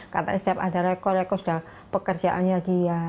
katanya setiap ada rekor rekor sudah pekerjaannya dia